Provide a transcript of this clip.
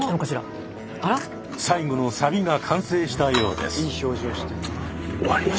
最後のサビが完成したようです。